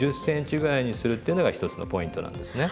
１０ｃｍぐらいにするっていうのが一つのポイントなんですね。